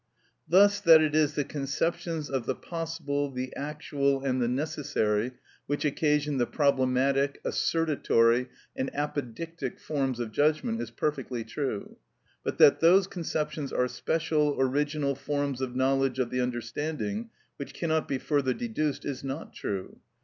Thus that it is the conceptions of the possible, the actual, and the necessary which occasion the problematic, assertatory, and apodictic forms of judgment, is perfectly true; but that those conceptions are special, original forms of knowledge of the understanding which cannot be further deduced is not true.